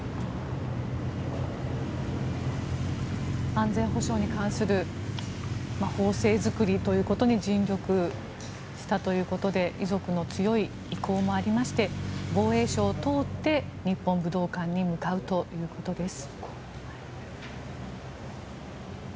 安全保障に関する法制作りということに尽力したということで遺族の強い意向もありまして防衛省を通って日本武道館に向かうということです。